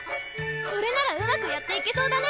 これならうまくやっていけそうだね！